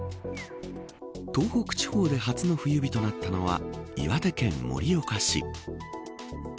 東北地方で初の冬日となったのは岩手県盛岡市。